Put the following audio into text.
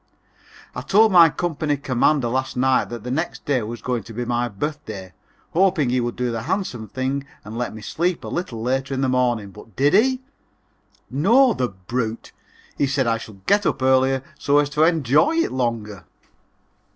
I told my company commander last night that the next day was going to be my birthday, hoping he would do the handsome thing and let me sleep a little later in the morning, but did he? No, the Brute, he said I should get up earlier so as to enjoy it longer.